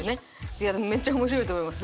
いやめっちゃ面白いと思います。